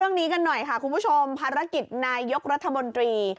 เรื่องนี้กันหน่อยค่ะคุณผู้ชมภารกิจนายกรัฐมนตรี